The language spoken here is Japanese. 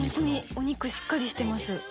お肉しっかりしてます。